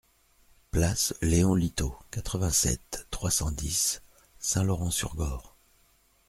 Place Léon Litaud, quatre-vingt-sept, trois cent dix Saint-Laurent-sur-Gorre